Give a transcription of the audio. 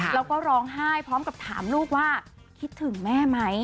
แล้วก็ร้องไห้พร้อมกับถามลูกว่าคิดถึงแม่ไหม